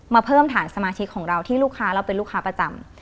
มาเพิ่มฐานสมาชิกของเราที่ลูกค้าเราเป็นลูกค้าประจำ